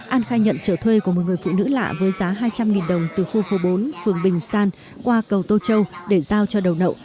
an khai nhận trở thuê của một người phụ nữ lạ với giá hai trăm linh đồng từ khu phố bốn phường bình san qua cầu tô châu để giao cho đầu nậu